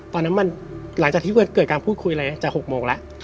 ตอนนั้นมันหลังจากที่เกิดการพูดคุยอะไรจาก๖โมงแล้ว